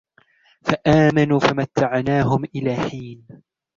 فآمنوا فمتعناهم إلى حين